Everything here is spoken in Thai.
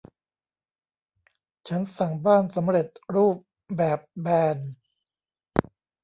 ฉันสั่งบ้านสำเร็จรูปแบบแบน